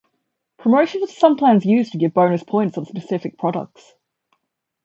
Promotions are sometimes used to give bonus points on specific products.